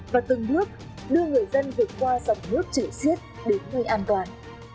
và từng bước đưa người dân vượt qua dòng nước chảy xiết đến nơi an toàn